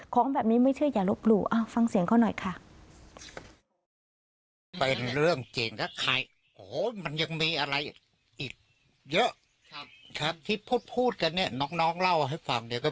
ของแบบนี้ไม่เชื่ออย่าลบหลู่ฟังเสียงเขาหน่อยค่ะ